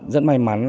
rất may mắn